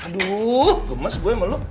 aduh gemes gue sama lo